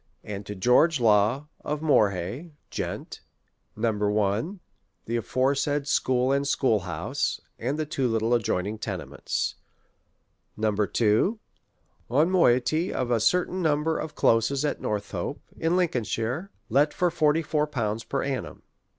and to George Law, of jMorehay, Gent. 1. The aforesaid scliool and school house, and the two little adjoining tenements. 2. One moiety of a certain number of closes atNor thope, in Lincolnshire, let for fifty four pounds per annum.